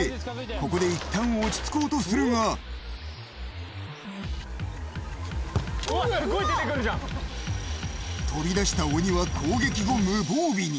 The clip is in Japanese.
ここで一旦落ち着こうとするが飛び出した鬼は攻撃後、無防備に。